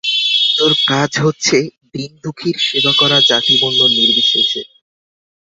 তোর কাজ হচ্ছে দীনদুঃখীর সেবা করা জাতিবর্ণ নির্বিশেষে।